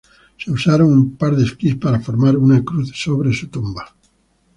Se usaron un par de esquís para formar una cruz sobre su tumba.